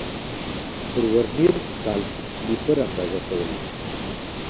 پر ورنیر کالیپر اندازه کول